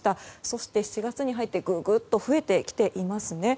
そして７月に入ってぐぐっと増えてきていますね。